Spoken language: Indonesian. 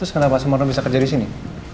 terus kenapa pasmarlo bisa kerja disini